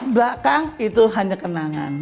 belakang itu hanya kenangan